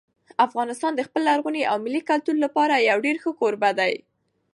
افغانستان د خپل لرغوني او ملي کلتور لپاره یو ډېر ښه کوربه دی.